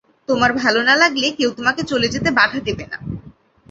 তোমার ভালো না লাগলে, কেউ তোমাকে চলে যেতে বাধা দেবে না।